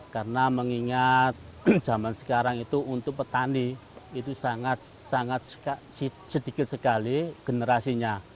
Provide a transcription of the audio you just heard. karena mengingat zaman sekarang itu untuk petani itu sangat sedikit sekali generasinya